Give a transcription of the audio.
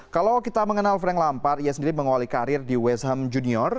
kalau kita mengenal frank lampar ia sendiri mengawali karir di west ham junior